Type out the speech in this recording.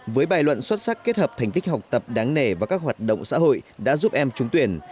với bài luận xuất sắc kết hợp thành tích học tập đáng nẻ và các hoạt động xã hội đã giúp em trúng tuyển